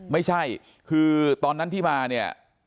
ไม่ใช่คือตอนนั้นที่มาเนี่ย